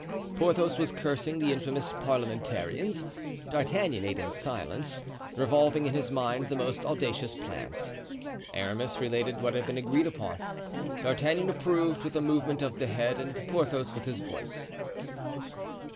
Porthos was cursing the infamous parliamentarians; D'Artagnan ate in silence, revolving in his mind the most audacious plans. Aramis related what had been agreed upon. D'Artagnan approved with a movement of the head and Porthos with his voice.